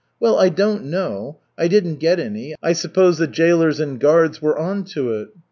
Well, I don't know, I didn't get any. I suppose the jailers and guards were on to it."